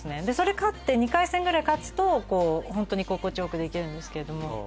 でそれ勝って２回戦ぐらい勝つとホントに心地よくできるんですけど。